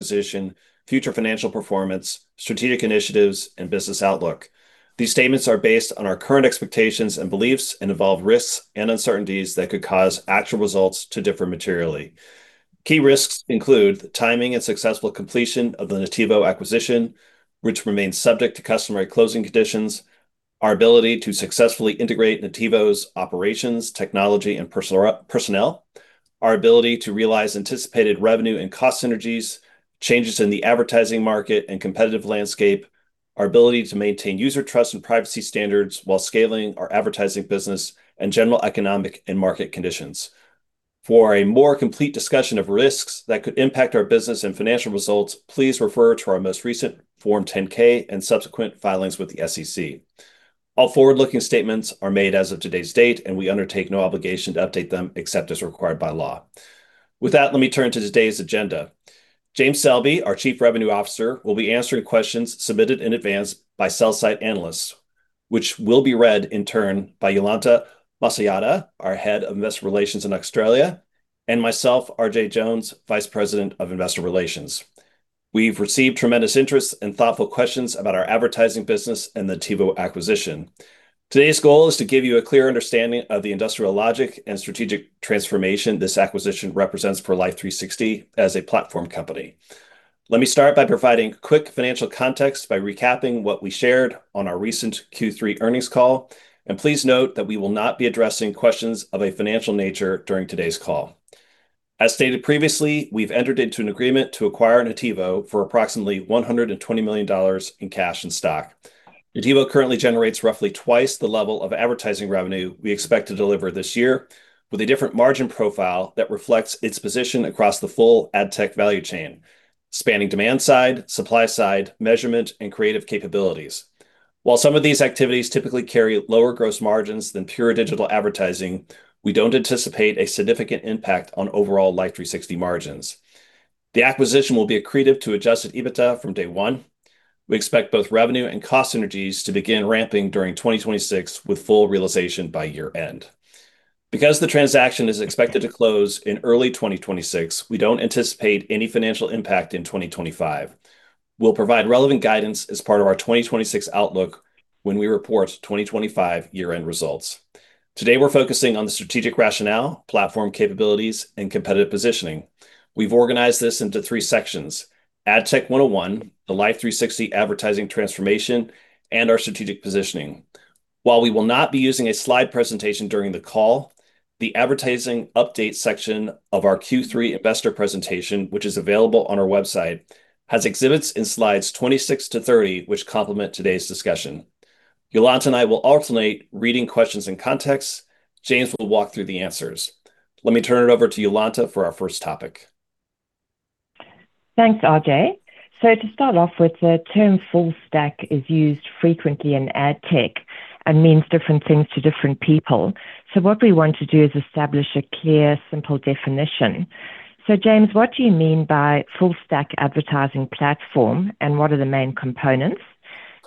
Position, future financial performance, strategic initiatives, and business outlook. These statements are based on our current expectations and beliefs and involve risks and uncertainties that could cause actual results to differ materially. Key risks include the timing and successful completion of the Nativo acquisition, which remains subject to customary closing conditions, our ability to successfully integrate Nativo's operations, technology, and personnel, our ability to realize anticipated revenue and cost synergies, changes in the advertising market and competitive landscape, our ability to maintain user trust and privacy standards while scaling our advertising business, and general economic and market conditions. For a more complete discussion of risks that could impact our business and financial results, please refer to our most recent Form 10-K and subsequent filings with the SEC. All forward-looking statements are made as of today's date, and we undertake no obligation to update them except as required by law. With that, let me turn to today's agenda. James Selby, our Chief Revenue Officer, will be answering questions submitted in advance by sell-side analysts, which will be read in turn by Jolanta Masojada, our Head of Investor Relations in Australia, and myself, R.J. Jones, Vice President of Investor Relations. We've received tremendous interest and thoughtful questions about our advertising business and the Nativo acquisition. Today's goal is to give you a clear understanding of the industrial logic and strategic transformation this acquisition represents for Life360 as a platform company. Let me start by providing quick financial context by recapping what we shared on our recent Q3 earnings call, and please note that we will not be addressing questions of a financial nature during today's call. As stated previously, we've entered into an agreement to acquire Nativo for approximately $120 million in cash and stock. Nativo currently generates roughly twice the level of advertising revenue we expect to deliver this year, with a different margin profile that reflects its position across the full ad tech value chain, spanning demand side, supply side, measurement, and creative capabilities. While some of these activities typically carry lower gross margins than pure digital advertising, we don't anticipate a significant impact on overall Life360 margins. The acquisition will be accretive to Adjusted EBITDA from day one. We expect both revenue and cost synergies to begin ramping during 2026 with full realization by year-end. Because the transaction is expected to close in early 2026, we don't anticipate any financial impact in 2025. We'll provide relevant guidance as part of our 2026 outlook when we report 2025 year-end results. Today, we're focusing on the strategic rationale, platform capabilities, and competitive positioning. We've organized this into three sections: Ad Tech 101, the Life360 Advertising transformation, and our strategic positioning. While we will not be using a Slide presentation during the call, the advertising update section of our Q3 investor presentation, which is available on our website, has exhibits in Slides 26 to 30, which complement today's discussion. Jolanta and I will alternate reading questions and context. James will walk through the answers. Let me turn it over to Jolanta for our first topic. Thanks, R.J. So to start off with, the term full-stack is used frequently in ad tech and means different things to different people. So what we want to do is establish a clear, simple definition. So James, what do you mean by full-stack advertising platform, and what are the main components?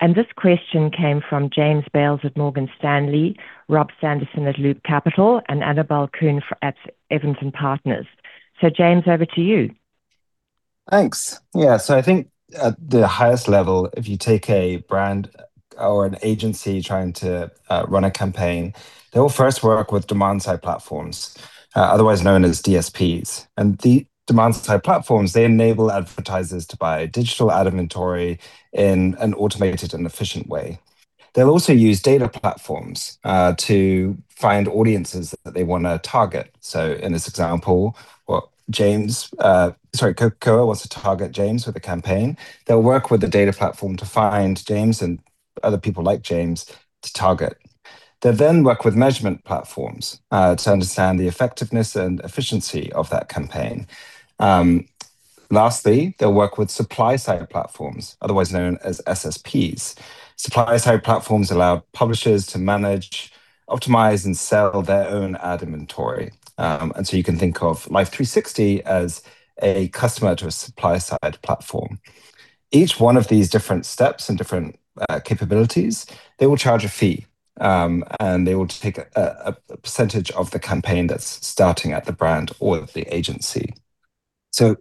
And this question came from James Bales at Morgan Stanley, Rob Sanderson at Loop Capital, and Annabel Kuhn at Evans and Partners. So James, over to you. Thanks. Yeah, so I think at the highest level, if you take a brand or an agency trying to run a campaign, they will first work with demand-side platforms, otherwise known as DSPs, and the demand-side platforms, they enable advertisers to buy digital ad inventory in an automated and efficient way. They'll also use data platforms to find audiences that they want to target, so in this example, what James, sorry, Coca-Cola wants to target James with a campaign. They'll work with the data platform to find James and other people like James to target. They'll then work with measurement platforms to understand the effectiveness and efficiency of that campaign. Lastly, they'll work with supply-side platforms, otherwise known as SSPs. Supply-side platforms allow publishers to manage, optimize, and sell their own ad inventory, and so you can think of Life360 as a customer to a supply-side platform. Each one of these different steps and different capabilities, they will charge a fee, and they will take a percentage of the campaign that's starting at the brand or the agency. So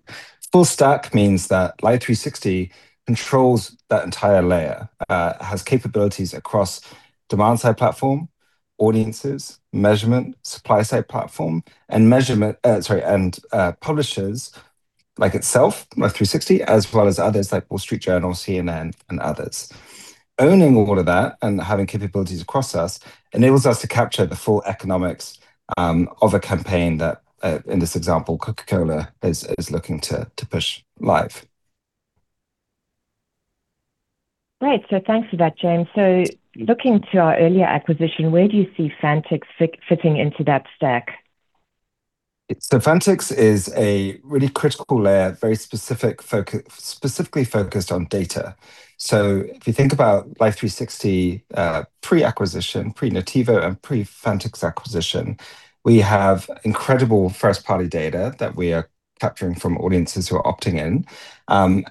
full-stack means that Life360 controls that entire layer, has capabilities across demand-side platform, audiences, measurement, supply-side platform, and measurement, sorry, and publishers like itself, Life360, as well as others like Wall Street Journal, CNN, and others. Owning all of that and having capabilities across us enables us to capture the full economics of a campaign that, in this example, Coca-Cola is looking to push live. Great. So thanks for that, James. Looking to our earlier acquisition, where do you see Fantix fitting into that stack? Fantix is a really critical layer, very specifically focused on data. If you think about Life360 pre-acquisition, pre-Nativo, and pre-Fantix acquisition, we have incredible first-party data that we are capturing from audiences who are opting in.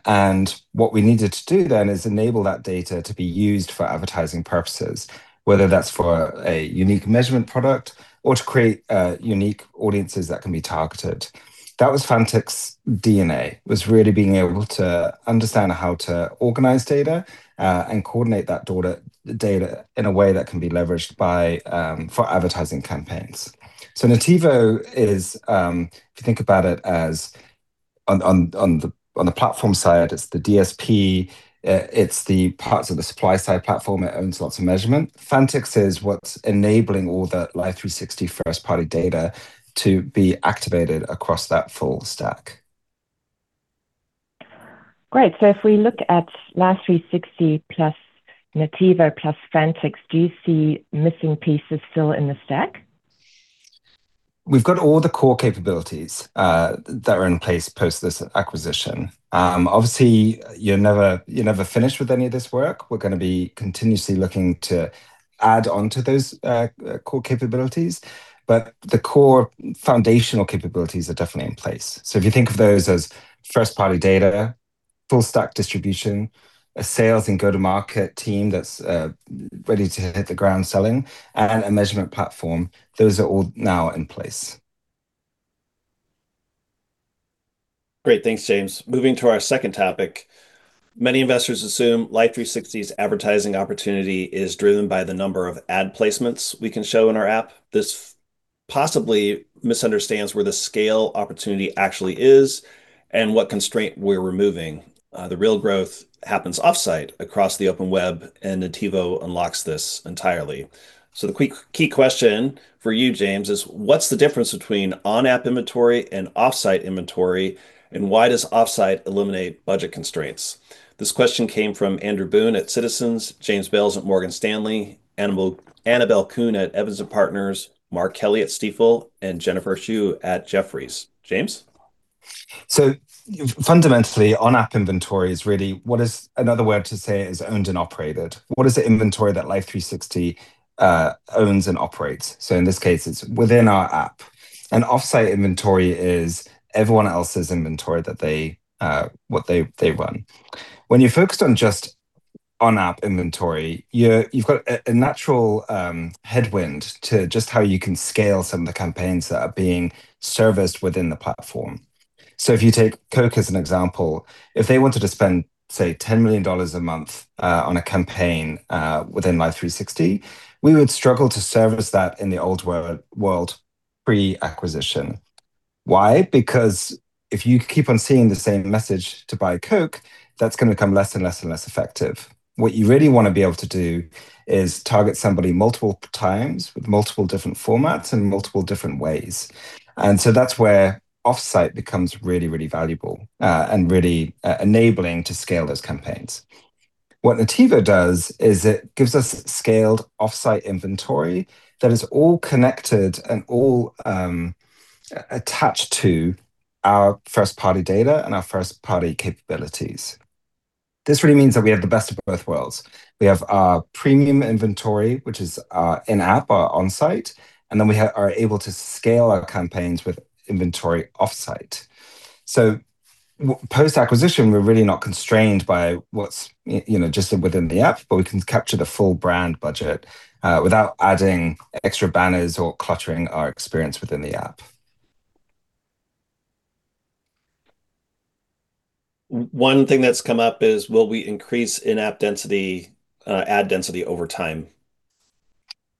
And what we needed to do then is enable that data to be used for advertising purposes, whether that's for a unique measurement product or to create unique audiences that can be targeted. That was Fantix's DNA, was really being able to understand how to organize data and coordinate that data in a way that can be leveraged for advertising campaigns. Nativo is, if you think about it as on the platform side, it's the DSP, it's the parts of the supply-side platform, it owns lots of measurement. Fantix is what's enabling all that Life360 first-party data to be activated across that full-stack. Great. So if we look at Life360 plus Nativo plus Fantix, do you see missing pieces still in the stack? We've got all the core capabilities that are in place post this acquisition. Obviously, you're never finished with any of this work. We're going to be continuously looking to add on to those core capabilities, but the core foundational capabilities are definitely in place. So if you think of those as first-party data, full-stack distribution, a sales and go-to-market team that's ready to hit the ground selling, and a measurement platform, those are all now in place. Great. Thanks, James. Moving to our second topic. Many investors assume Life360's advertising opportunity is driven by the number of ad placements we can show in our app. This possibly misunderstands where the scale opportunity actually is and what constraint we're removing. The real growth happens off-site across the open web, and Nativo unlocks this entirely. So the key question for you, James, is what's the difference between on-app inventory and off-site inventory, and why does off-site eliminate budget constraints? This question came from Andrew Boone at Citizens, James Bales at Morgan Stanley, Annabel Kuhn at Evans and Partners, Mark Kelley at Stifel, and Jennifer Xu at Jefferies. James? So fundamentally, on-app inventory is really, what is another way to say it is owned and operated? What is the inventory that Life360 owns and operates? So in this case, it's within our app. And off-site inventory is everyone else's inventory that they run. When you're focused on just on-app inventory, you've got a natural headwind to just how you can scale some of the campaigns that are being serviced within the platform. So if you take Coke as an example, if they wanted to spend, say, $10 million a month on a campaign within Life360, we would struggle to service that in the old world pre-acquisition. Why? Because if you keep on seeing the same message to buy Coke, that's going to become less and less and less effective. What you really want to be able to do is target somebody multiple times with multiple different formats and multiple different ways. That's where off-site becomes really, really valuable and really enabling to scale those campaigns. What Nativo does is it gives us scaled off-site inventory that is all connected and all attached to our first-party data and our first-party capabilities. This really means that we have the best of both worlds. We have our premium inventory, which is in-app or on-site, and then we are able to scale our campaigns with inventory off-site. Post-acquisition, we're really not constrained by what's just within the app, but we can capture the full brand budget without adding extra banners or cluttering our experience within the app. One thing that's come up is, will we increase in-app density, ad density over time?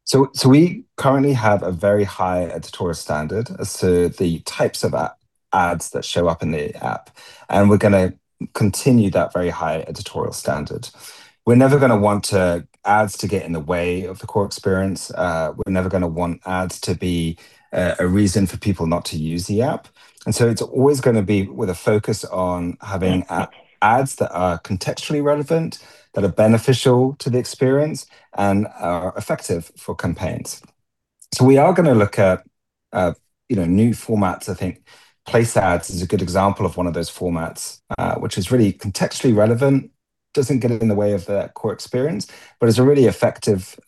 So we currently have a very high editorial standard as to the types of ads that show up in the app, and we're going to continue that very high editorial standard. We're never going to want ads to get in the way of the core experience. We're never going to want ads to be a reason for people not to use the app. And so it's always going to be with a focus on having ads that are contextually relevant, that are beneficial to the experience, and are effective for campaigns. So we are going to look at new formats. I think Place Ads is a good example of one of those formats, which is really contextually relevant, doesn't get in the way of the core experience, but is a really effective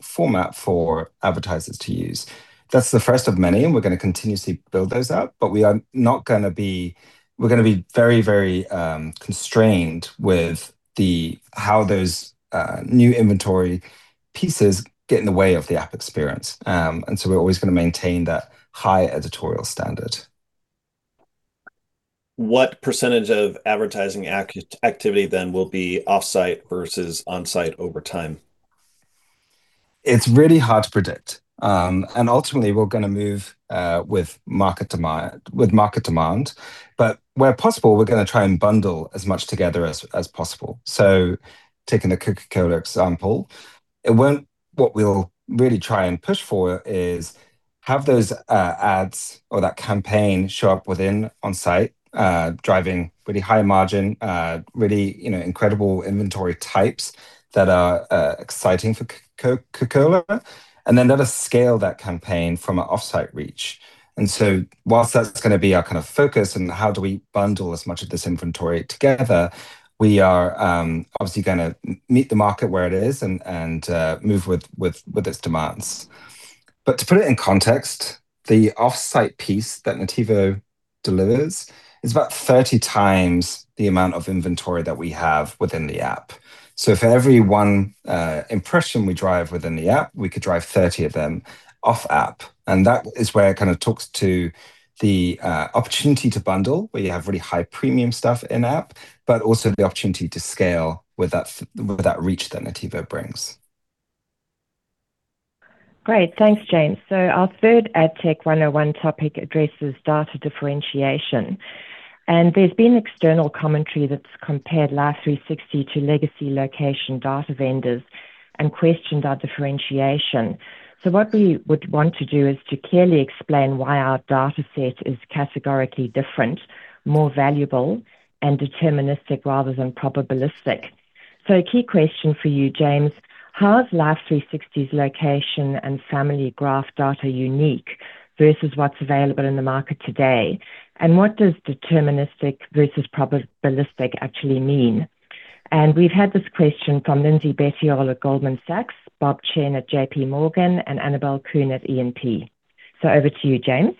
format for advertisers to use. That's the first of many, and we're going to continuously build those up, but we're going to be very, very constrained with how those new inventory pieces get in the way of the app experience. And so we're always going to maintain that high editorial standard. What percentage of advertising activity then will be off-site versus on-site over time? It's really hard to predict, and ultimately, we're going to move with market demand. But where possible, we're going to try and bundle as much together as possible, so taking the Coca-Cola example, what we'll really try and push for is have those ads or that campaign show up within on-site, driving really high margin, really incredible inventory types that are exciting for Coca-Cola, and then let us scale that campaign from an off-site reach, and so whilst that's going to be our kind of focus and how do we bundle as much of this inventory together, we are obviously going to meet the market where it is and move with its demands, but to put it in context, the off-site piece that Nativo delivers is about 30 times the amount of inventory that we have within the app. So for every one impression we drive within the app, we could drive 30 of them off-app. And that is where it kind of talks to the opportunity to bundle, where you have really high premium stuff in-app, but also the opportunity to scale with that reach that Nativo brings. Great. Thanks, James. So our third Ad Tech 101 topic addresses data differentiation. And there's been external commentary that's compared Life360 to legacy location data vendors and questioned our differentiation. So what we would want to do is to clearly explain why our data set is categorically different, more valuable, and deterministic rather than probabilistic. So a key question for you, James, how is Life360's location Family Graph data unique versus what's available in the market today? And what does deterministic versus probabilistic actually mean? And we've had this question from Lindsay Bettiol at Goldman Sachs, Bob Chen at J.P. Morgan, and Annabel Kuhn at E&P. So over to you, James.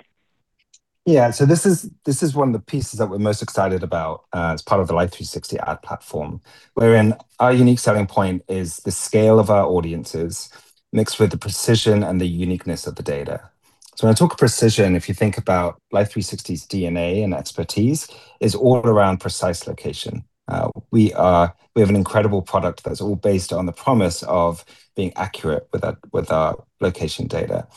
Yeah, so this is one of the pieces that we're most excited about as part of the Life360 Ad platform, wherein our unique selling point is the scale of our audiences mixed with the precision and the uniqueness of the data. So when I talk precision, if you think about Life360's DNA and expertise, it's all around precise location. We have an incredible product that's all based on the promise of being accurate with our location data.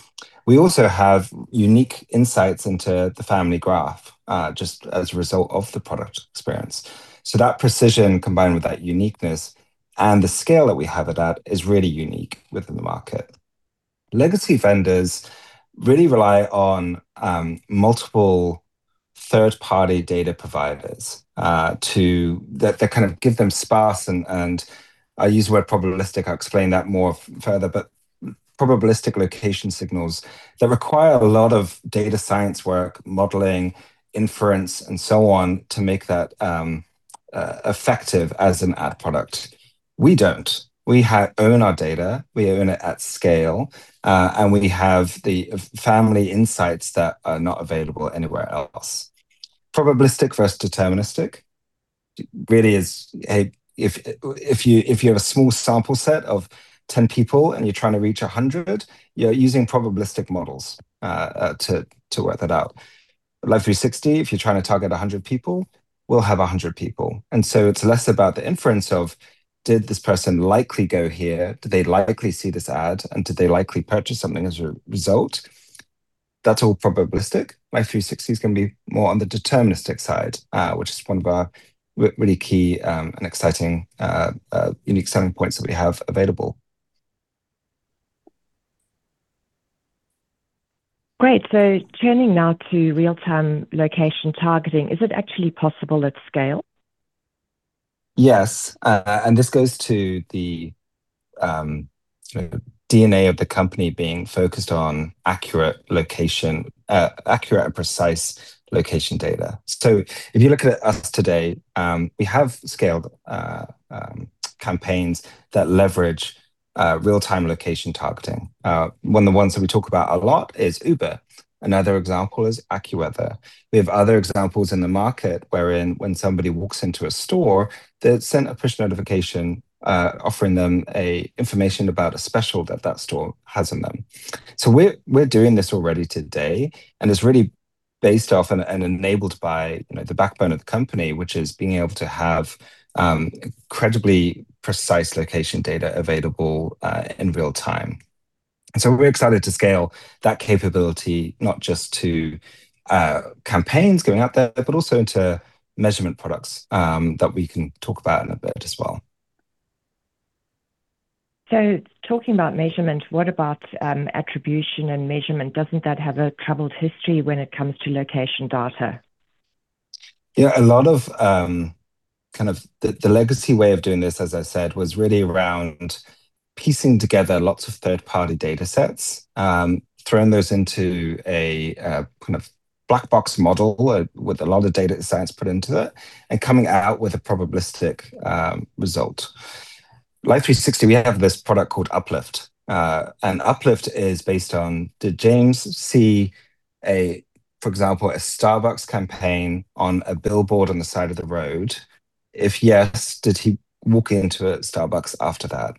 We also have unique insights into Family Graph just as a result of the product experience. So that precision combined with that uniqueness and the scale that we have at that is really unique within the market. Legacy vendors really rely on multiple third-party data providers that kind of give them sparse, and I'll use the word probabilistic. I'll explain that more further, but probabilistic location signals that require a lot of data science work, modeling, inference, and so on to make that effective as an ad product. We don't. We own our data. We own it at scale, and we have the family insights that are not available anywhere else. Probabilistic versus deterministic really is, if you have a small sample set of 10 people and you're trying to reach 100, you're using probabilistic models to work that out. Life360, if you're trying to target 100 people, we'll have 100 people. And so it's less about the inference of, did this person likely go here? Did they likely see this ad? And did they likely purchase something as a result? That's all probabilistic. Life360 is going to be more on the deterministic side, which is one of our really key and exciting unique selling points that we have available. Great. So turning now to real-time location targeting, is it actually possible at scale? Yes, and this goes to the DNA of the company being focused on accurate and precise location data, so if you look at us today, we have scaled campaigns that leverage real-time location targeting. One of the ones that we talk about a lot is Uber. Another example is AccuWeather. We have other examples in the market wherein when somebody walks into a store, they're sent a push notification offering them information about a special that that store has on them, so we're doing this already today, and it's really based off and enabled by the backbone of the company, which is being able to have credibly precise location data available in real time, and so we're excited to scale that capability not just to campaigns going out there, but also into measurement products that we can talk about in a bit as well. So talking about measurement, what about attribution and measurement? Doesn't that have a troubled history when it comes to location data? Yeah, a lot of kind of the legacy way of doing this, as I said, was really around piecing together lots of third-party data sets, throwing those into a kind of black box model with a lot of data science put into it, and coming out with a probabilistic result. Life360, we have this product called Uplift. And Uplift is based on, did James see, for example, a Starbucks campaign on a billboard on the side of the road? If yes, did he walk into a Starbucks after that?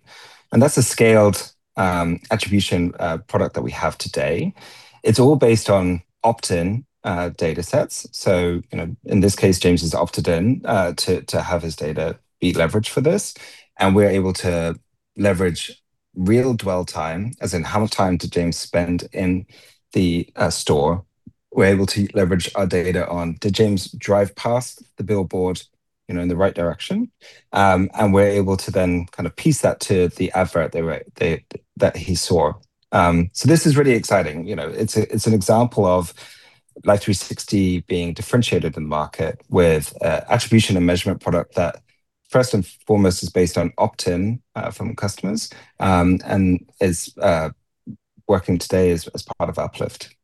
And that's a scaled attribution product that we have today. It's all based on opt-in data sets. So in this case, James has opted in to have his data be leveraged for this. And we're able to leverage real dwell time, as in how much time did James spend in the store. We're able to leverage our data on, did James drive past the billboard in the right direction, and we're able to then kind of piece that to the advert that he saw, so this is really exciting. It's an example of Life360 being differentiated in the market with attribution and measurement product that, first and foremost, is based on opt-in from customers and is working today as part of Uplift.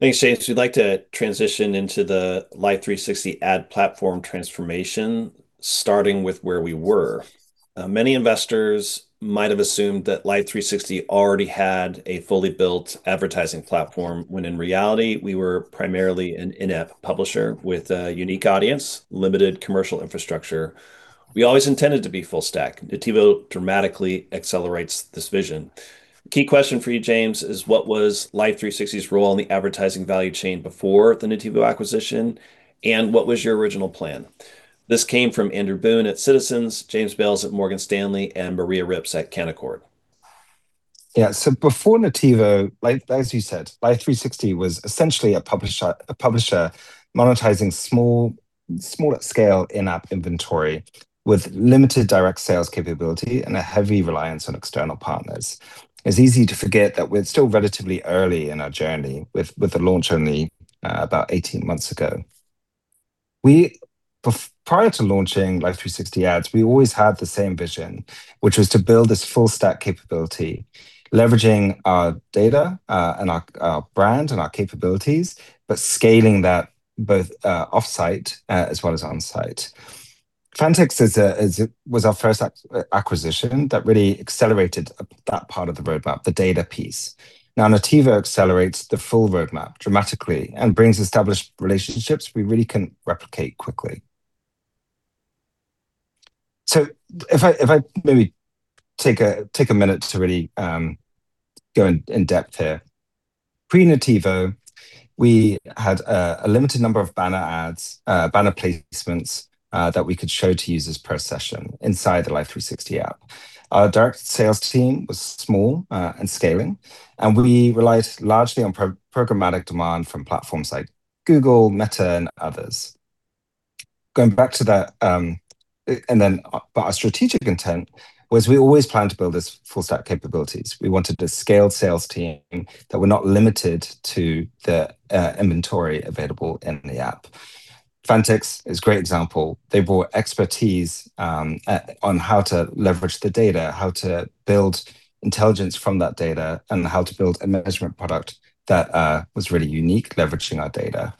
Thanks, James. We'd like to transition into the Life360 Ad platform transformation, starting with where we were. Many investors might have assumed that Life360 already had a fully built advertising platform, when in reality, we were primarily an in-app publisher with a unique audience, limited commercial infrastructure. We always intended to be full-stack. Nativo dramatically accelerates this vision. Key question for you, James, is what was Life360's role on the advertising value chain before the Nativo acquisition, and what was your original plan? This came from Andrew Boone at Citizens, James Bales at Morgan Stanley, and Maria Rips at Canaccord. Yeah, so before Nativo, as you said, Life360 was essentially a publisher monetizing small at scale in-app inventory with limited direct sales capability and a heavy reliance on external partners. It's easy to forget that we're still relatively early in our journey with a launch only about 18 months ago. Prior to launching Life360 Ads, we always had the same vision, which was to build this full-stack capability, leveraging our data and our brand and our capabilities, but scaling that both off-site as well as on-site. Fantix was our first acquisition that really accelerated that part of the roadmap, the data piece. Now, Nativo accelerates the full roadmap dramatically and brings established relationships we really can replicate quickly. So if I maybe take a minute to really go in depth here. Pre-Nativo, we had a limited number of banner ads, banner placements that we could show to users per session inside the Life360 app. Our direct sales team was small and scaling, and we relied largely on programmatic demand from platforms like Google, Meta, and others. Going back to that, and then our strategic intent was we always planned to build this full-stack capabilities. We wanted a scaled sales team that were not limited to the inventory available in the app. Fantix is a great example. They brought expertise on how to leverage the data, how to build intelligence from that data, and how to build a measurement product that was really unique, leveraging our data.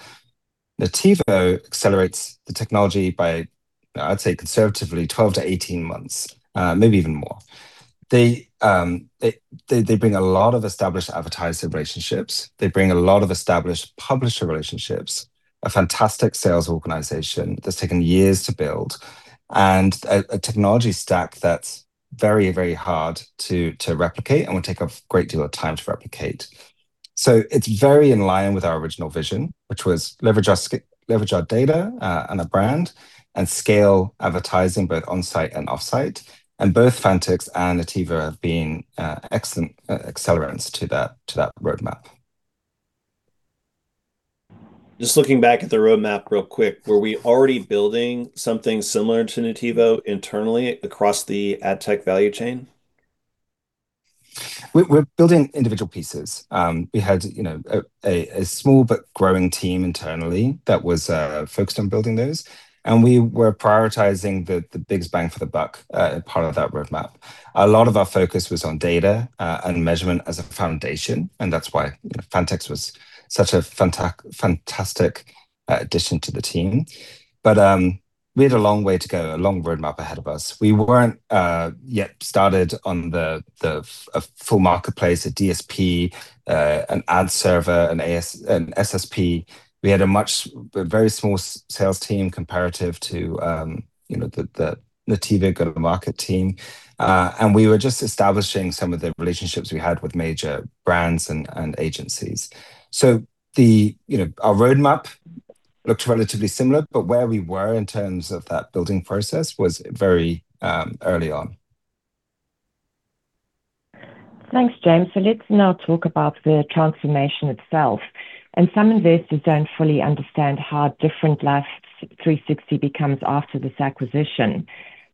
Nativo accelerates the technology by, I'd say, conservatively 12-18 months, maybe even more. They bring a lot of established advertiser relationships. They bring a lot of established publisher relationships, a fantastic sales organization that's taken years to build, and a technology stack that's very, very hard to replicate and would take a great deal of time to replicate. So it's very in line with our original vision, which was leverage our data and our brand and scale advertising both on-site and off-site. And both Fantix and Nativo have been excellent accelerants to that roadmap. Just looking back at the roadmap real quick, were we already building something similar to Nativo internally across the ad tech value chain? We're building individual pieces. We had a small but growing team internally that was focused on building those. And we were prioritizing the biggest bang for the buck part of that roadmap. A lot of our focus was on data and measurement as a foundation, and that's why Fantix was such a fantastic addition to the team. But we had a long way to go, a long roadmap ahead of us. We weren't yet started on the full marketplace, a DSP, an ad server, an SSP. We had a very small sales team comparative to the Nativo go-to-market team. And we were just establishing some of the relationships we had with major brands and agencies. So our roadmap looked relatively similar, but where we were in terms of that building process was very early on. Thanks, James. So let's now talk about the transformation itself, and some investors don't fully understand how different Life360 becomes after this acquisition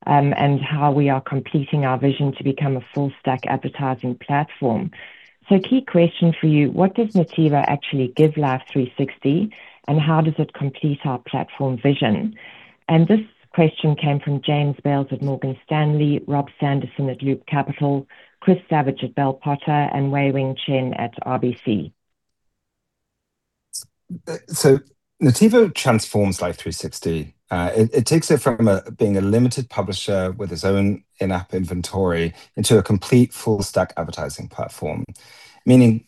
and how we are completing our vision to become a full-stack advertising platform, so key question for you, what does Nativo actually give Life360, and how does it complete our platform vision, and this question came from James Bales at Morgan Stanley, Rob Sanderson at Loop Capital, Chris Savage at Bell Potter, and Wei-Weng Chen at RBC. So Nativo transforms Life360. It takes it from being a limited publisher with its own in-app inventory into a complete full-stack advertising platform, meaning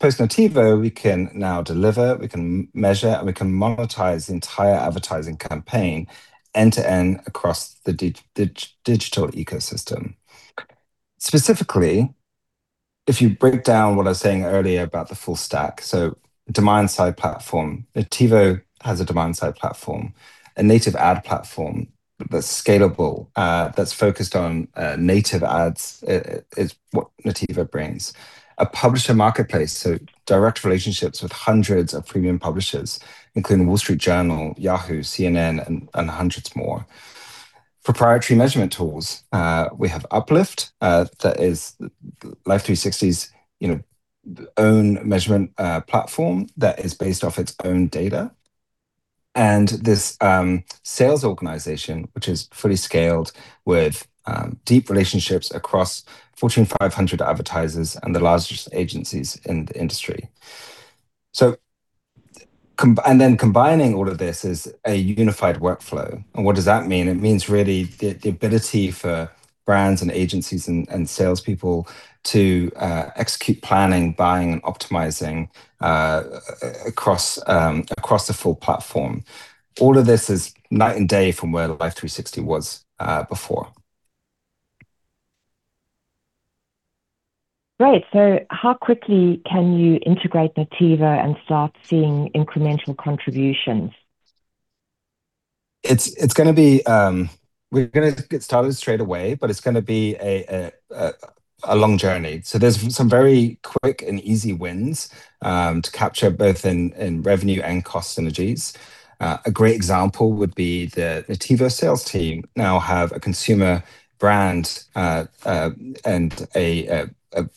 post-Nativo, we can now deliver, we can measure, and we can monetize the entire advertising campaign end-to-end across the digital ecosystem. Specifically, if you break down what I was saying earlier about the full-stack, so demand-side platform, Nativo has a demand-side platform, a native ad platform that's scalable, that's focused on native ads is what Nativo brings. A publisher marketplace, so direct relationships with hundreds of premium publishers, including Wall Street Journal, Yahoo, CNN, and hundreds more. Proprietary measurement tools. We have Uplift. That is Life360's own measurement platform that is based off its own data. And this sales organization, which is fully scaled with deep relationships across Fortune 500 advertisers and the largest agencies in the industry. And then combining all of this is a unified workflow. And what does that mean? It means really the ability for brands and agencies and salespeople to execute planning, buying, and optimizing across the full platform. All of this is night and day from where Life360 was before. Great. So how quickly can you integrate Nativo and start seeing incremental contributions? It's going to be, we're going to get started straight away, but it's going to be a long journey. So there's some very quick and easy wins to capture both in revenue and cost synergies. A great example would be the Nativo sales team now have a consumer brand and a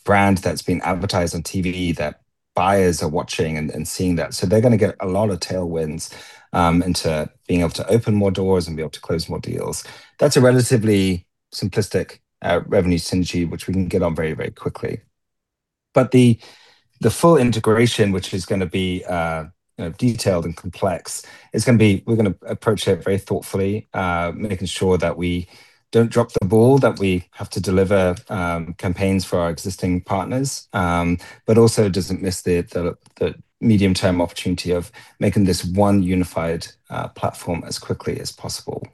brand that's been advertised on TV that buyers are watching and seeing that. So they're going to get a lot of tailwinds into being able to open more doors and be able to close more deals. That's a relatively simplistic revenue synergy, which we can get on very, very quickly. But the full integration, which is going to be detailed and complex, we're going to approach it very thoughtfully, making sure that we don't drop the ball, that we have to deliver campaigns for our existing partners, but also doesn't miss the medium-term opportunity of making this one unified platform as quickly as possible.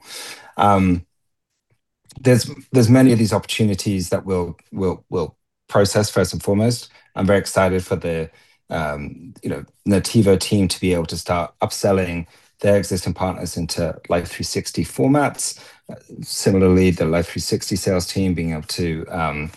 There's many of these opportunities that we'll process first and foremost. I'm very excited for the Nativo team to be able to start upselling their existing partners into Life360 formats. Similarly, the Life360 sales team being able to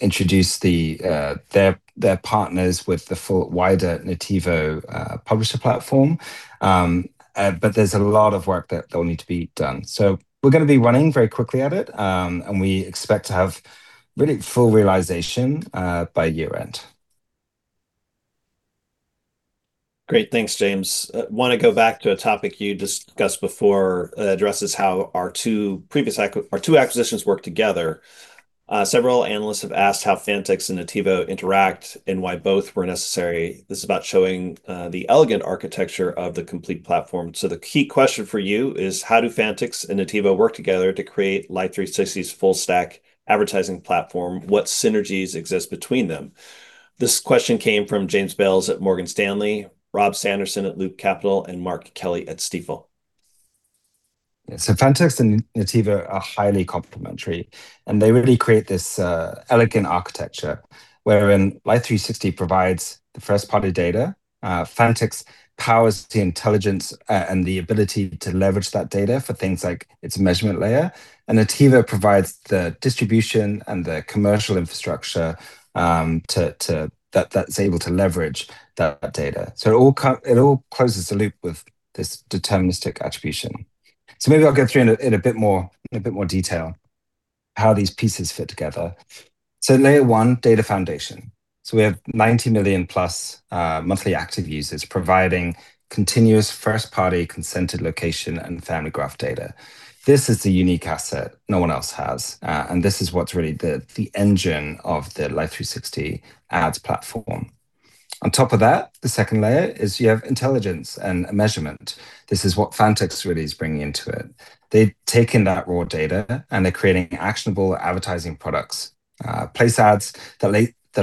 introduce their partners with the full wider Nativo publisher platform. But there's a lot of work that will need to be done. So we're going to be running very quickly at it, and we expect to have really full realization by year-end. Great. Thanks, James. I want to go back to a topic you discussed before that addresses how our two acquisitions work together. Several analysts have asked how Fantix and Nativo interact and why both were necessary. This is about showing the elegant architecture of the complete platform. So the key question for you is, how do Fantix and Nativo work together to create Life360's full-stack advertising platform? What synergies exist between them? This question came from James Bales at Morgan Stanley, Rob Sanderson at Loop Capital, and Mark Kelley at Stifel. Fantix and Nativo are highly complementary, and they really create this elegant architecture wherein Life360 provides the first-party data. Fantix powers the intelligence and the ability to leverage that data for things like its measurement layer. Nativo provides the distribution and the commercial infrastructure that's able to leverage that data. It all closes the loop with this deterministic attribution. Maybe I'll go through in a bit more detail how these pieces fit together. Layer one, data foundation. We have 90 million plus monthly active users providing continuous first-party consented location Family Graph data. This is the unique asset no one else has. This is what's really the engine of the Life360 Ads platform. On top of that, the second layer is you have intelligence and measurement. This is what Fantix really is bringing into it. They've taken that raw data and they're creating actionable advertising products. Place Ads that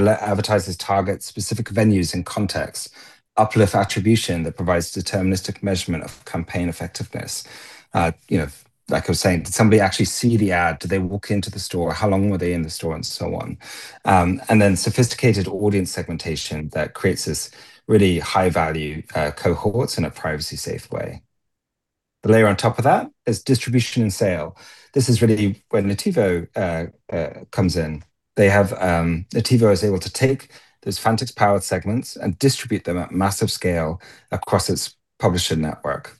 let advertisers target specific venues and contexts. Uplift attribution that provides deterministic measurement of campaign effectiveness. Like I was saying, did somebody actually see the ad? Did they walk into the store? How long were they in the store, and so on, and then sophisticated audience segmentation that creates this really high-value cohorts in a privacy-safe way. The layer on top of that is distribution and sale. This is really where Nativo comes in. Nativo is able to take those Fantix-powered segments and distribute them at massive scale across its publisher network.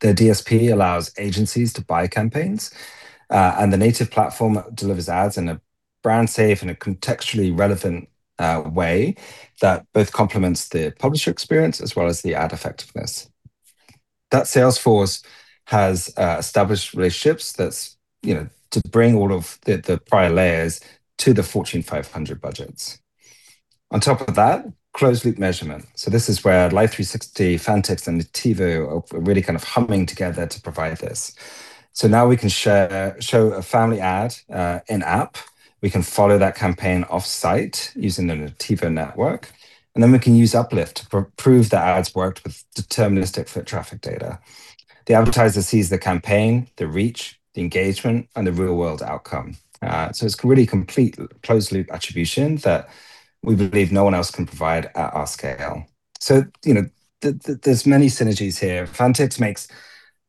Their DSP allows agencies to buy campaigns, and the native platform delivers ads in a brand-safe and a contextually relevant way that both complements the publisher experience as well as the ad effectiveness. That sales force has established relationships to bring all of the prior layers to the Fortune 500 budgets. On top of that, closed-loop measurement. So this is where Life360, Fantix, and Nativo are really kind of humming together to provide this. So now we can show a family ad in-app. We can follow that campaign off-site using the Nativo network. And then we can use Uplift to prove the ads worked with deterministic foot traffic data. The advertiser sees the campaign, the reach, the engagement, and the real-world outcome. So it's really complete closed-loop attribution that we believe no one else can provide at our scale. So there's many synergies here. Fantix makes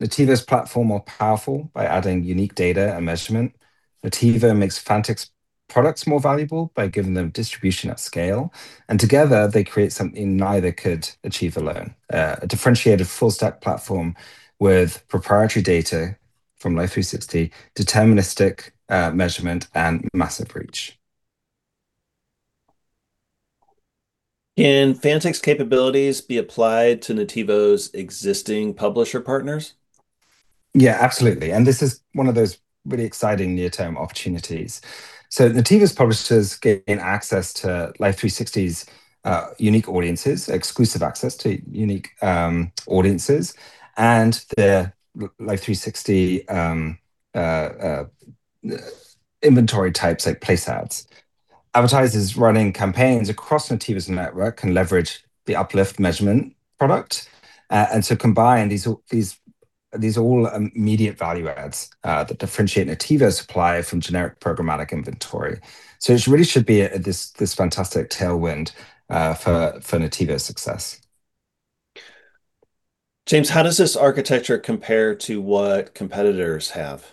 Nativo's platform more powerful by adding unique data and measurement. Nativo makes Fantix products more valuable by giving them distribution at scale. Together, they create something neither could achieve alone: a differentiated full-stack platform with proprietary data from Life360, deterministic measurement, and massive reach. Can Fantix capabilities be applied to Nativo's existing publisher partners? Yeah, absolutely. And this is one of those really exciting near-term opportunities. So Nativo's publishers gain access to Life360's unique audiences, exclusive access to unique audiences, and their Life360 inventory types like Place Ads. Advertisers running campaigns across Nativo's network can leverage the Uplift measurement product and to combine these all immediate value adds that differentiate Nativo's supply from generic programmatic inventory. So it really should be this fantastic tailwind for Nativo's success. James, how does this architecture compare to what competitors have?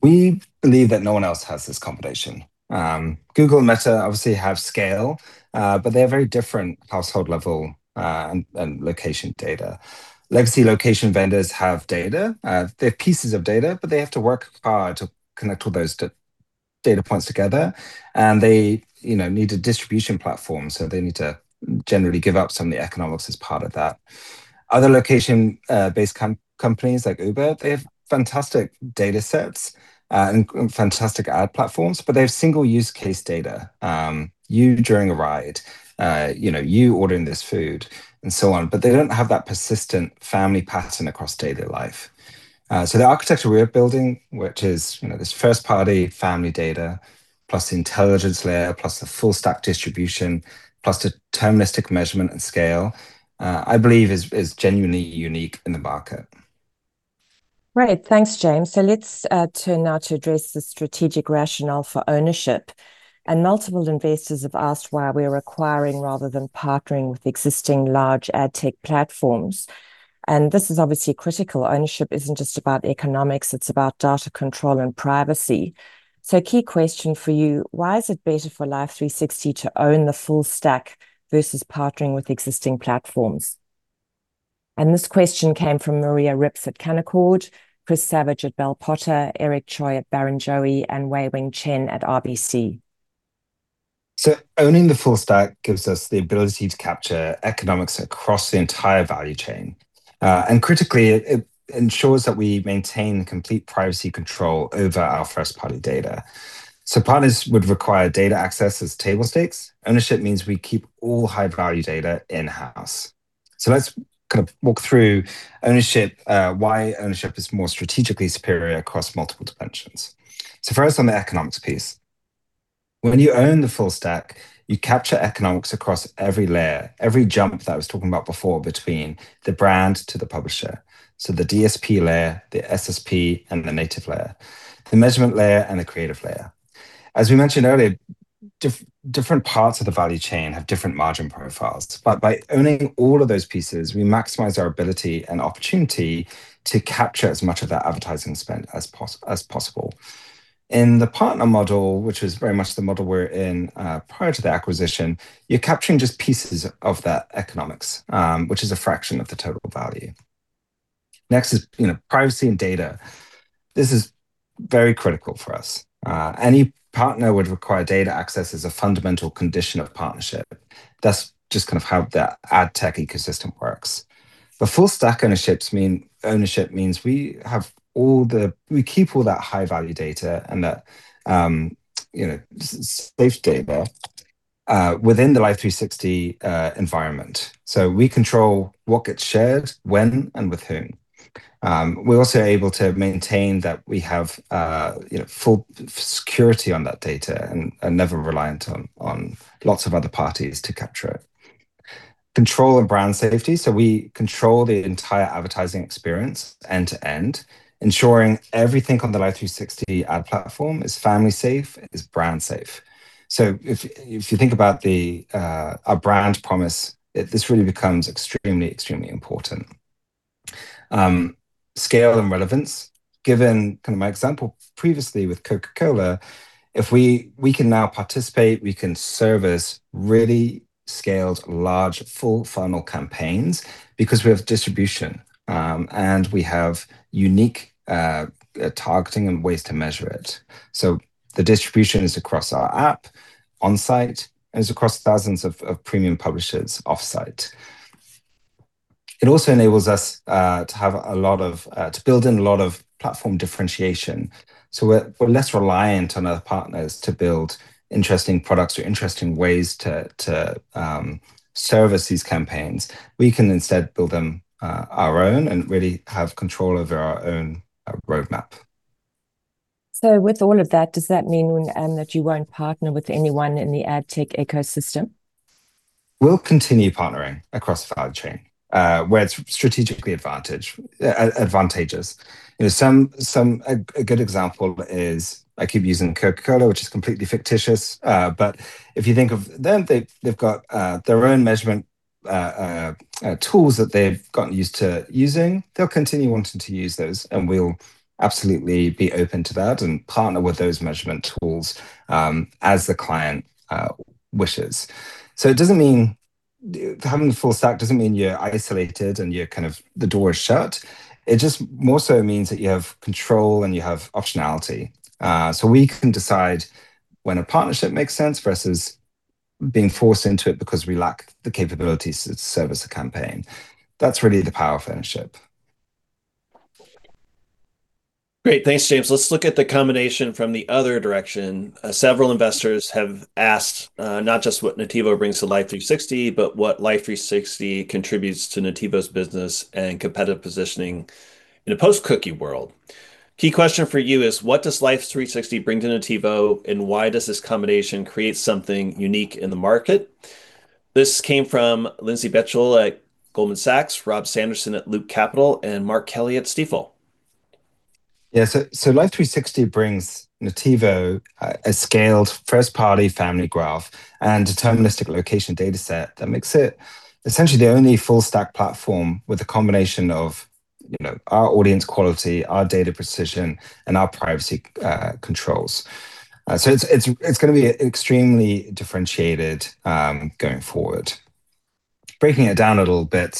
We believe that no one else has this combination. Google and Meta obviously have scale, but they have very different household-level and location data. Legacy location vendors have data. They have pieces of data, but they have to work hard to connect all those data points together, and they need a distribution platform, so they need to generally give up some of the economics as part of that. Other location-based companies like Uber, they have fantastic data sets and fantastic ad platforms, but they have single use case data: you during a ride, you ordering this food, and so on, but they don't have that persistent family pattern across daily life, so the architecture we're building, which is this first-party family data plus the intelligence layer plus the full-stack distribution plus deterministic measurement and scale, I believe is genuinely unique in the market. Right. Thanks, James. Let's turn now to address the strategic rationale for ownership. Multiple investors have asked why we are acquiring rather than partnering with existing large ad tech platforms. This is obviously critical. Ownership isn't just about economics. It's about data control and privacy. Key question for you, why is it better for Life360 to own the full-stack versus partnering with existing platforms? This question came from Maria Rips at Canaccord, Chris Savage at Bell Potter, Eric Choi at Barrenjoey, and Wei-Weng Chen at RBC. Owning the full-stack gives us the ability to capture economics across the entire value chain. And critically, it ensures that we maintain complete privacy control over our first-party data. So partners would require data access as table stakes. Ownership means we keep all high-value data in-house. So let's kind of walk through ownership, why ownership is more strategically superior across multiple dimensions. So first, on the economics piece. When you own the full-stack, you capture economics across every layer, every jump that I was talking about before between the brand to the publisher. So the DSP layer, the SSP, and the native layer, the measurement layer, and the creative layer. As we mentioned earlier, different parts of the value chain have different margin profiles. But by owning all of those pieces, we maximize our ability and opportunity to capture as much of that advertising spend as possible. In the partner model, which was very much the model we're in prior to the acquisition, you're capturing just pieces of that economics, which is a fraction of the total value. Next is privacy and data. This is very critical for us. Any partner would require data access as a fundamental condition of partnership. That's just kind of how the ad tech ecosystem works. But full-stack ownership means we keep all that high-value data and that safe data within the Life360 environment. So we control what gets shared, when, and with whom. We're also able to maintain that we have full security on that data and never reliant on lots of other parties to capture it. Control of brand safety. So we control the entire advertising experience end-to-end, ensuring everything on the Life360 Ad platform is family-safe, is brand-safe. So if you think about our brand promise, this really becomes extremely, extremely important. Scale and relevance. Given kind of my example previously with Coca-Cola, if we can now participate, we can service really scaled large full-funnel campaigns because we have distribution and we have unique targeting and ways to measure it. So the distribution is across our app, on-site, and is across thousands of premium publishers off-site. It also enables us to build in a lot of platform differentiation. So we're less reliant on other partners to build interesting products or interesting ways to service these campaigns. We can instead build them our own and really have control over our own roadmap. So with all of that, does that mean that you won't partner with anyone in the ad tech ecosystem? We'll continue partnering across the value chain where it's strategically advantageous. A good example is I keep using Coca-Cola, which is completely fictitious. But if you think of them, they've got their own measurement tools that they've gotten used to using. They'll continue wanting to use those, and we'll absolutely be open to that and partner with those measurement tools as the client wishes. So having the full-stack doesn't mean you're isolated and kind of the door is shut. It just more so means that you have control and you have optionality. So we can decide when a partnership makes sense versus being forced into it because we lack the capabilities to service a campaign. That's really the power of ownership. Great. Thanks, James. Let's look at the combination from the other direction. Several investors have asked not just what Nativo brings to Life360, but what Life360 contributes to Nativo's business and competitive positioning in a post-cookie world. Key question for you is, what does Life360 bring to Nativo, and why does this combination create something unique in the market? This came from Lindsay Bettiol at Goldman Sachs, Rob Sanderson at Loop Capital, and Mark Kelley at Stifel. Yeah. So Life360 brings Nativo a scaled Family Graph and deterministic location data set that makes it essentially the only full-stack platform with a combination of our audience quality, our data precision, and our privacy controls. So it's going to be extremely differentiated going forward. Breaking it down a little bit,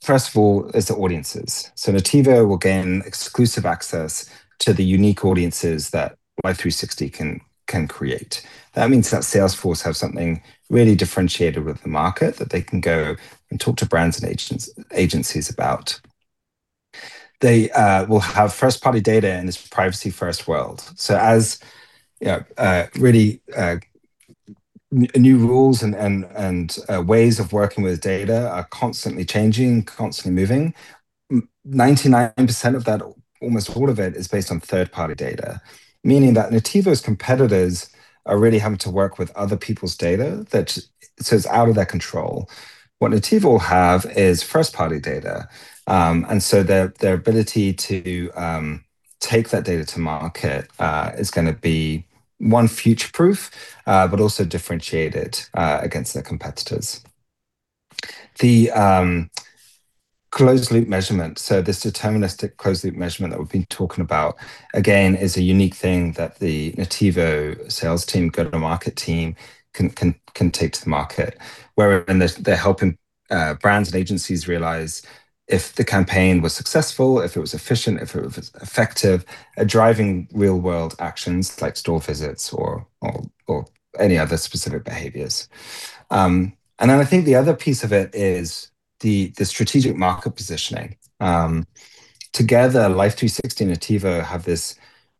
so first of all is the audiences. So Nativo will gain exclusive access to the unique audiences that Life360 can create. That means that sales force have something really differentiated with the market that they can go and talk to brands and agencies about. They will have first-party data in this privacy-first world. So, as really new rules and ways of working with data are constantly changing, constantly moving, 99% of that, almost all of it, is based on third-party data, meaning that Nativo's competitors are really having to work with other people's data that is out of their control. What Nativo will have is first-party data. And so their ability to take that data to market is going to be one, future-proof, but also differentiated against their competitors. The closed-loop measurement, so this deterministic closed-loop measurement that we've been talking about, again, is a unique thing that the Nativo sales team, go-to-market team, can take to the market, wherein they're helping brands and agencies realize if the campaign was successful, if it was efficient, if it was effective, driving real-world actions like store visits or any other specific behaviors. And then I think the other piece of it is the strategic market positioning. Together, Life360 and Nativo have this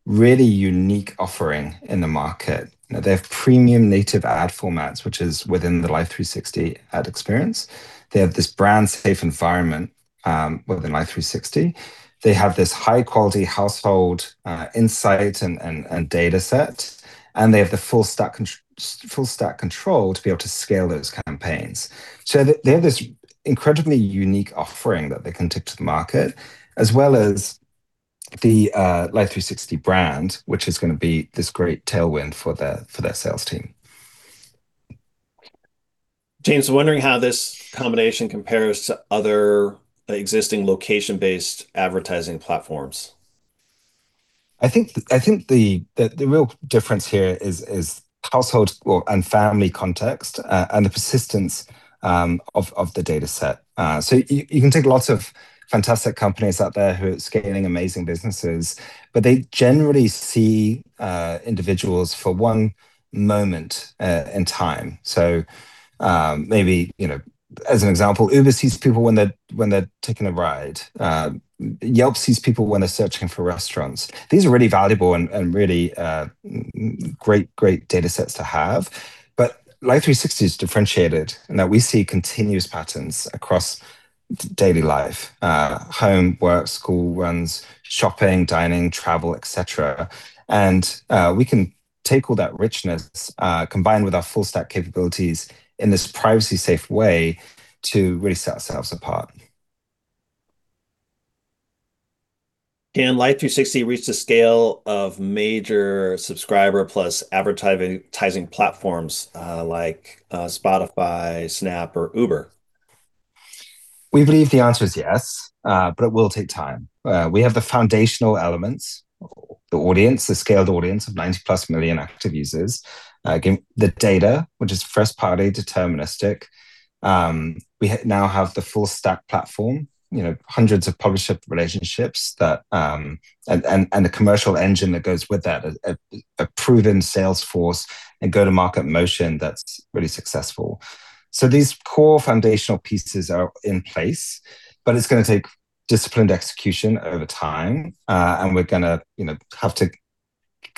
really unique offering in the market. They have premium native ad formats, which is within the Life360 Ad experience. They have this brand-safe environment within Life360. They have this high-quality household insight and data set, and they have the full-stack control to be able to scale those campaigns. So they have this incredibly unique offering that they can take to the market, as well as the Life360 brand, which is going to be this great tailwind for their sales team. James, I'm wondering how this combination compares to other existing location-based advertising platforms? I think the real difference here is household and family context and the persistence of the data set. So you can take lots of fantastic companies out there who are scaling amazing businesses, but they generally see individuals for one moment in time. So maybe as an example, Uber sees people when they're taking a ride. Yelp sees people when they're searching for restaurants. These are really valuable and really great data sets to have. But Life360 is differentiated in that we see continuous patterns across daily life: home, work, school, runs, shopping, dining, travel, etc. And we can take all that richness, combined with our full-stack capabilities in this privacy-safe way, to really set ourselves apart. Can Life360 reach the scale of major subscriber-plus advertising platforms like Spotify, Snap, or Uber? We believe the answer is yes, but it will take time. We have the foundational elements, the audience, the scaled audience of 90-plus million active users, the data, which is first-party, deterministic. We now have the full-stack platform, hundreds of publisher relationships, and the commercial engine that goes with that, a proven sales force and go-to-market motion that's really successful, so these core foundational pieces are in place, but it's going to take disciplined execution over time, and we're going to have to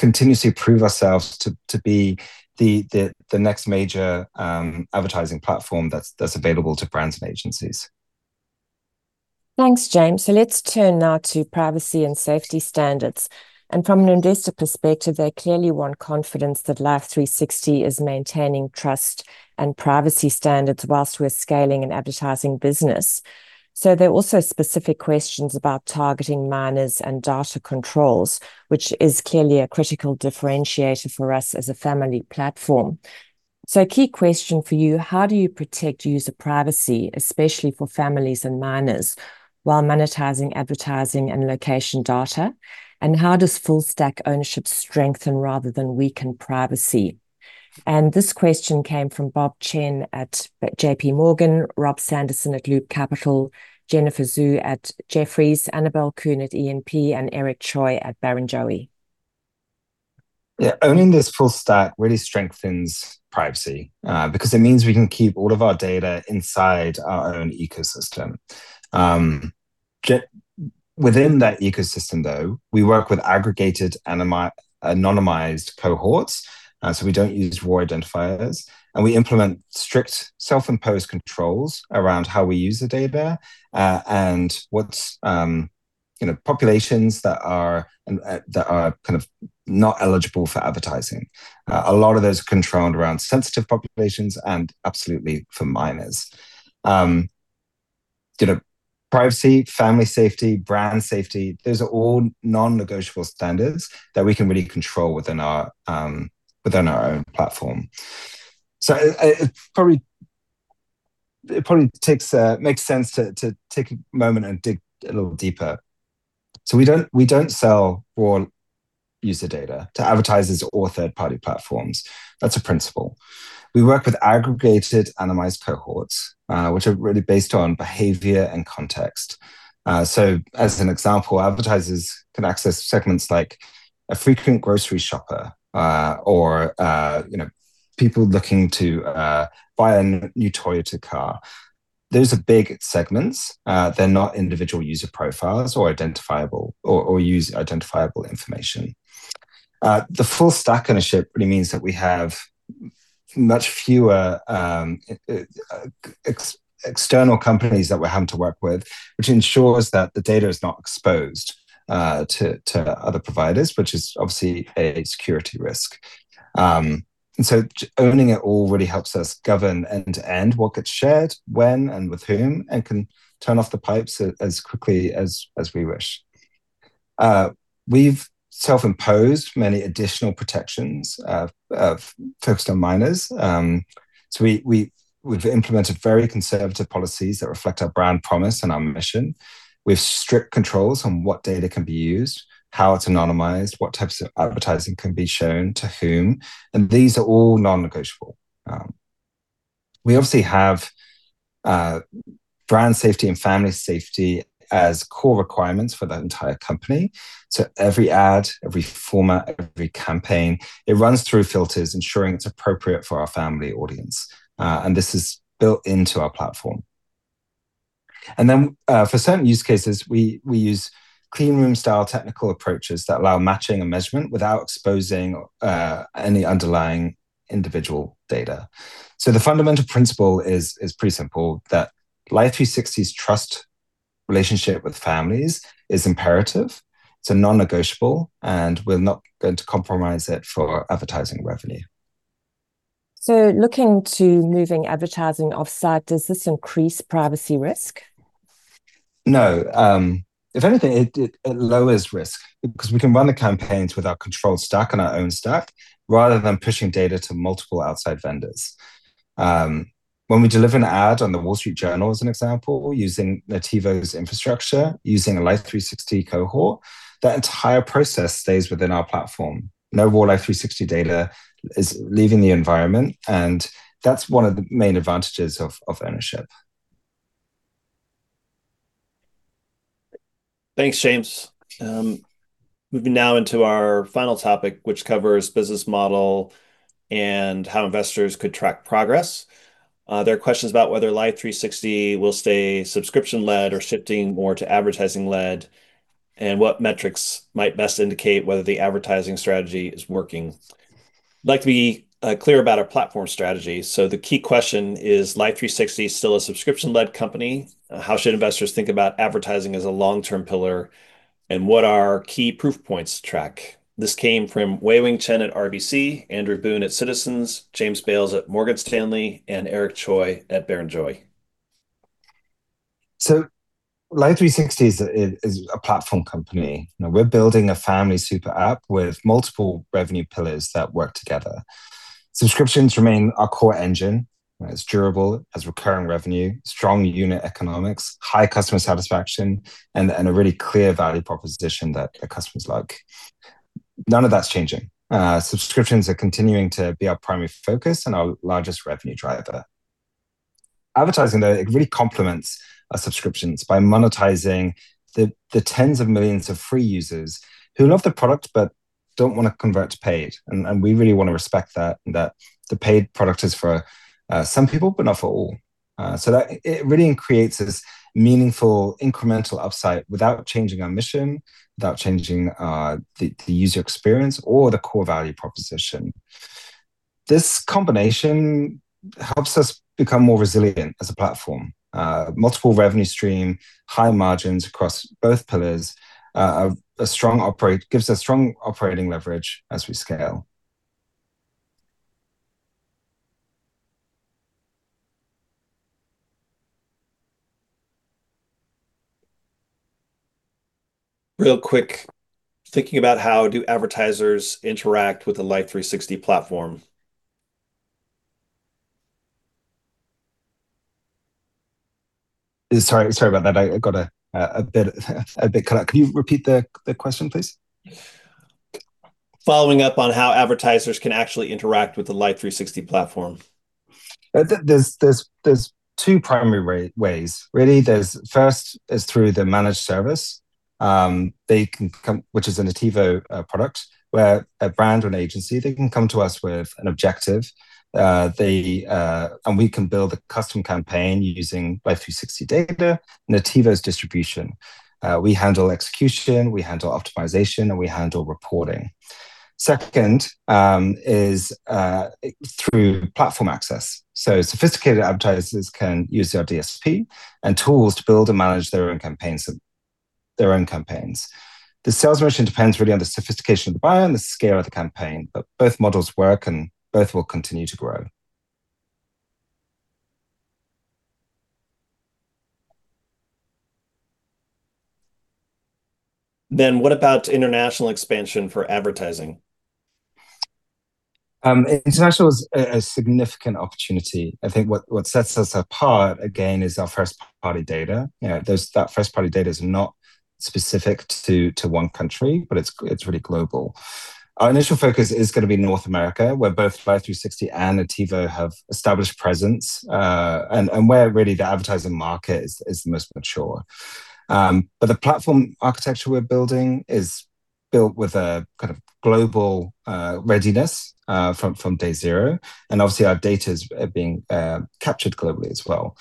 continuously prove ourselves to be the next major advertising platform that's available to brands and agencies. Thanks, James. So let's turn now to privacy and safety standards and from an investor perspective, they clearly want confidence that Life360 is maintaining trust and privacy standards while we're scaling an advertising business, so there are also specific questions about targeting minors and data controls, which is clearly a critical differentiator for us as a family platform, so a key question for you, how do you protect user privacy, especially for families and minors while monetizing advertising and location data, and how does full-stack ownership strengthen rather than weaken privacy? And this question came from Bob Chen at J.P. Morgan, Rob Sanderson at Loop Capital, Jennifer Xu at Jefferies, Annabel Kuhn at E&P, and Eric Choi at Barrenjoey. Yeah. Owning this full-stack really strengthens privacy because it means we can keep all of our data inside our own ecosystem. Within that ecosystem, though, we work with aggregated anonymized cohorts, so we don't use raw identifiers, and we implement strict self-imposed controls around how we use the data and populations that are kind of not eligible for advertising. A lot of those are controlled around sensitive populations and absolutely for minors. Privacy, family safety, brand safety, those are all non-negotiable standards that we can really control within our own platform, so it probably makes sense to take a moment and dig a little deeper, so we don't sell raw user data to advertisers or third-party platforms. That's a principle. We work with aggregated anonymized cohorts, which are really based on behavior and context. As an example, advertisers can access segments like a frequent grocery shopper or people looking to buy a new Toyota car. Those are big segments. They're not individual user profiles or identifiable information. The full-stack ownership really means that we have much fewer external companies that we're having to work with, which ensures that the data is not exposed to other providers, which is obviously a security risk. Owning it all really helps us govern end-to-end what gets shared, when, and with whom, and can turn off the pipes as quickly as we wish. We've self-imposed many additional protections focused on minors. We've implemented very conservative policies that reflect our brand promise and our mission. We have strict controls on what data can be used, how it's anonymized, what types of advertising can be shown to whom. These are all non-negotiable. We obviously have brand safety and family safety as core requirements for the entire company. So every ad, every format, every campaign, it runs through filters, ensuring it's appropriate for our family audience. And this is built into our platform. And then for certain use cases, we use clean room-style technical approaches that allow matching and measurement without exposing any underlying individual data. So the fundamental principle is pretty simple that Life360's trust relationship with families is imperative. It's non-negotiable, and we're not going to compromise it for advertising revenue. So looking to moving advertising off-site, does this increase privacy risk? No. If anything, it lowers risk because we can run the campaigns with our controlled stack and our own stack rather than pushing data to multiple outside vendors. When we deliver an ad on the Wall Street Journal, as an example, using Nativo's infrastructure, using a Life360 cohort, that entire process stays within our platform. No raw Life360 data is leaving the environment. And that's one of the main advantages of ownership. Thanks, James. Moving now into our final topic, which covers business model and how investors could track progress. There are questions about whether Life360 will stay subscription-led or shifting more to advertising-led, and what metrics might best indicate whether the advertising strategy is working. I'd like to be clear about our platform strategy. So the key question is, Life360 still a subscription-led company? How should investors think about advertising as a long-term pillar? And what are key proof points to track? This came from Wei-Weng Chen at RBC, Andrew Boone at Citizens JMP, James Bales at Morgan Stanley, and Eric Choi at Barrenjoey. Life360 is a platform company. We're building a family super app with multiple revenue pillars that work together. Subscriptions remain our core engine. It's durable, has recurring revenue, strong unit economics, high customer satisfaction, and a really clear value proposition that the customers like. None of that's changing. Subscriptions are continuing to be our primary focus and our largest revenue driver. Advertising, though, it really complements our subscriptions by monetizing the tens of millions of free users who love the product but don't want to convert to paid. We really want to respect that, that the paid product is for some people, but not for all. It really creates this meaningful incremental upside without changing our mission, without changing the user experience or the core value proposition. This combination helps us become more resilient as a platform. Multiple revenue streams, high margins across both pillars gives us strong operating leverage as we scale. Real quick, thinking about how do advertisers interact with the Life360 platform? Sorry about that. I got a bit cut out. Can you repeat the question, please? Following up on how advertisers can actually interact with the Life360 platform. There are two primary ways. Really, first is through the managed service, which is a Nativo product where a brand or an agency, they can come to us with an objective, and we can build a custom campaign using Life360 data and Nativo's distribution. We handle execution, we handle optimization, and we handle reporting. Second is through platform access. So sophisticated advertisers can use our DSP and tools to build and manage their own campaigns. The sales motion depends really on the sophistication of the buyer and the scale of the campaign, but both models work and both will continue to grow. Then what about international expansion for advertising? International is a significant opportunity. I think what sets us apart, again, is our first-party data. That first-party data is not specific to one country, but it's really global. Our initial focus is going to be North America, where both Life360 and Nativo have established presence and where really the advertising market is most mature, but the platform architecture we're building is built with a kind of global readiness from day zero, and obviously, our data is being captured globally as well.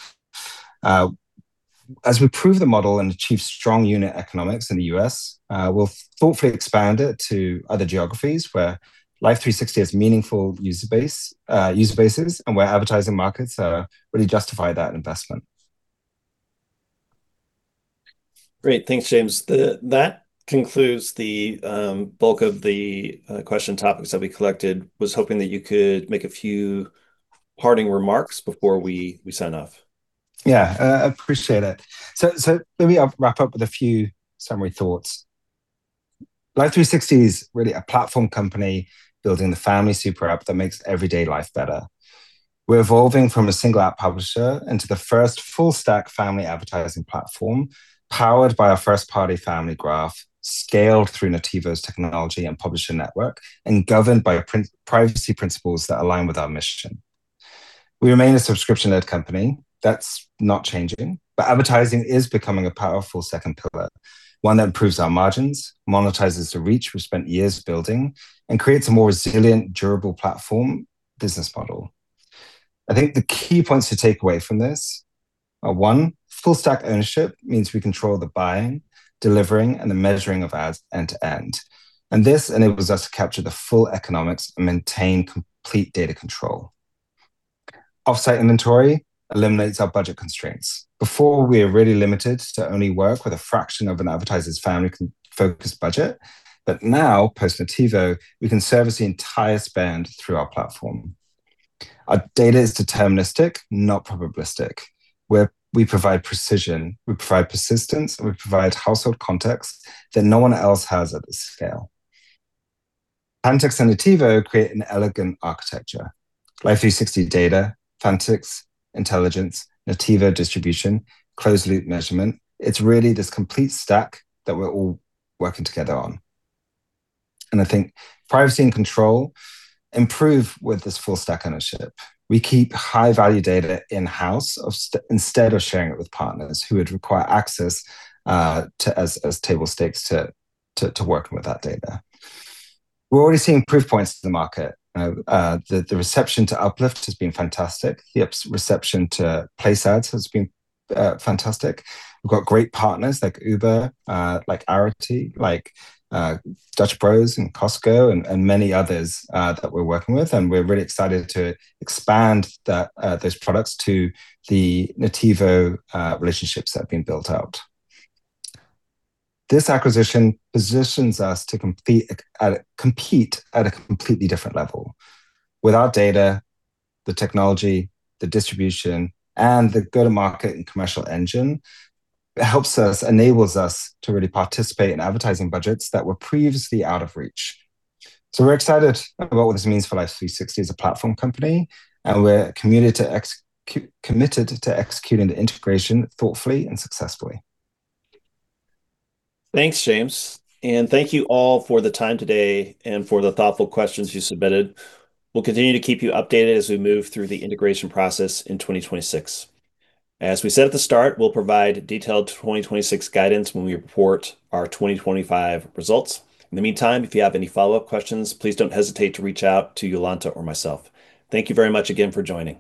As we prove the model and achieve strong unit economics in the U.S., we'll thoughtfully expand it to other geographies where Life360 has meaningful user bases and where advertising markets really justify that investment. Great. Thanks, James. That concludes the bulk of the question topics that we collected. I was hoping that you could make a few parting remarks before we sign off. Yeah, I appreciate it. So let me wrap up with a few summary thoughts. Life360 is really a platform company building the family super app that makes everyday life better. We're evolving from a single app publisher into the first full-stack family advertising platform powered by our Family Graph, scaled through Nativo's technology and publisher network, and governed by privacy principles that align with our mission. We remain a subscription-led company. That's not changing. But advertising is becoming a powerful second pillar, one that improves our margins, monetizes the reach we've spent years building, and creates a more resilient, durable platform business model. I think the key points to take away from this are: one, full-stack ownership means we control the buying, delivering, and the measuring of ads end-to-end. And this enables us to capture the full economics and maintain complete data control. Off-site inventory eliminates our budget constraints. Before, we were really limited to only work with a fraction of an advertiser's family-focused budget. But now, post-Nativo, we can service the entire spend through our platform. Our data is deterministic, not probabilistic. We provide precision. We provide persistence. We provide household context that no one else has at this scale. Fantix and Nativo create an elegant architecture. Life360 data, Fantix, intelligence, Nativo distribution, closed-loop measurement. It's really this complete stack that we're all working together on. And I think privacy and control improve with this full-stack ownership. We keep high-value data in-house instead of sharing it with partners who would require access as table stakes to working with that data. We're already seeing proof points in the market. The reception to Uplift has been fantastic. The reception to Place Ads has been fantastic. We've got great partners like Uber, like Arity, like Dutch Bros, and Costco, and many others that we're working with. And we're really excited to expand those products to the Nativo relationships that have been built out. This acquisition positions us to compete at a completely different level. With our data, the technology, the distribution, and the go-to-market and commercial engine, it helps us, enables us to really participate in advertising budgets that were previously out of reach. So we're excited about what this means for Life360 as a platform company. And we're committed to executing the integration thoughtfully and successfully. Thanks, James, and thank you all for the time today and for the thoughtful questions you submitted. We'll continue to keep you updated as we move through the integration process in 2026. As we said at the start, we'll provide detailed 2026 guidance when we report our 2025 results. In the meantime, if you have any follow-up questions, please don't hesitate to reach out to Jolanta or myself. Thank you very much again for joining.